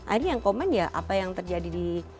akhirnya yang komen ya apa yang terjadi di